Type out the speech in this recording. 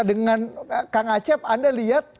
dengan kang acep anda lihat